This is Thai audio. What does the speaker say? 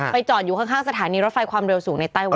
จอดอยู่ข้างสถานีรถไฟความเร็วสูงในไต้วัด